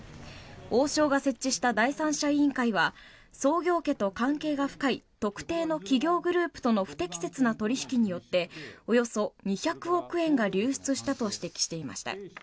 王将が設置した第三者委員会は創業家と関係が深い特定の企業グループとの不適切な取引によっておよそ２００億円が流出したと指摘していました。